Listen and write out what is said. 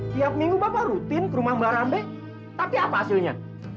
tiap minggu bapak rutin ke rumah mbak rambe tapi apa hasilnya